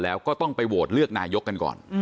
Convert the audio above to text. แล้วก็ต้องไปโหวตเลือกนายกกันก่อน